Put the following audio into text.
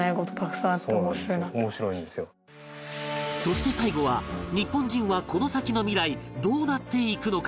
そして最後は日本人はこの先の未来どうなっていくのか？